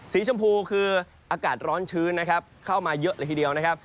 สีชมพูคืออากาศร้อนชื้นนะครับเข้ามาเยอะเลยทีเดียวนะครับ